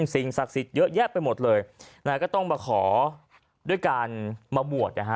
สิ่งศักดิ์สิทธิ์เยอะแยะไปหมดเลยนะฮะก็ต้องมาขอด้วยการมาบวชนะฮะ